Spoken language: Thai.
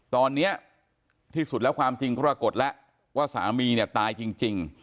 ตอนนี้ที่สุดแล้วความจริงก็ปรากฏแล้วว่าสามีเนี่ยตายจริง